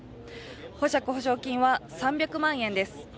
保釈保証金は３００万円です。